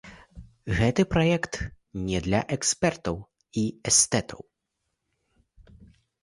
Гэты праект не для экспертаў і эстэтаў.